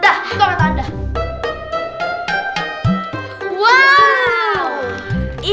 dah kak mata anda